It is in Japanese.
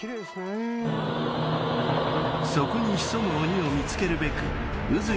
［そこに潜む鬼を見つけるべく宇